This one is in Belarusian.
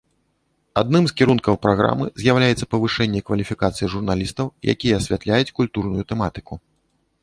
Адным з кірункаў праграмы з'яўляецца павышэнне кваліфікацыі журналістаў, якія асвятляюць культурную тэматыку.